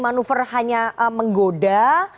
manuver hanya menggoda